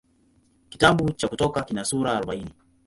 Kitabu cha Kutoka kina sura arobaini.